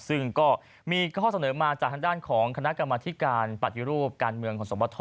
ซึ่งก็มีข้อเสนอมาจากทางด้านของคณะกรรมธิการปฏิรูปการเมืองของสมบท